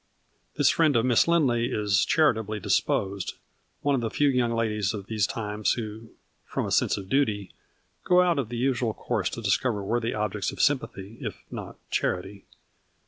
This friend of Miss Lindley is charitably disposed, one of the few young ladies of these times who, from a sense of duty, go out of the usual course to discover worthy objects of sym pathy, if not of charity.